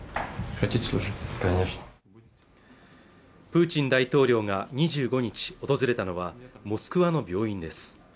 プーチン大統領が２５日訪れたのはモスクワの病院です